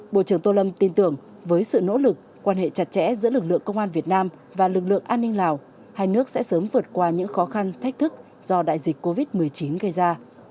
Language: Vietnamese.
bộ trưởng tô lâm tin tưởng với sự nỗ lực quan hệ chặt chẽ giữa lực lượng công an việt nam và lực lượng an ninh lào hai nước sẽ sớm vượt qua những khó khăn thách thức do đại dịch covid một mươi chín gây ra